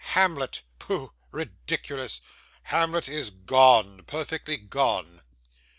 'Hamlet! Pooh! ridiculous! Hamlet is gone, perfectly gone.